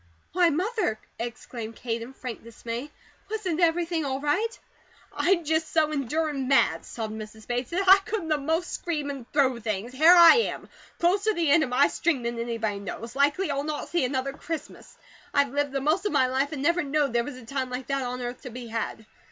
"Why, Mother!" exclaimed Kate in frank dismay. "Wasn't everything all right?" "I'm just so endurin' mad," sobbed Mrs. Bates, "that I could a most scream and throw things. Here I am, closer the end of my string than anybody knows. Likely I'll not see another Christmas. I've lived the most of my life, and never knowed there was a time like that on earth to be had.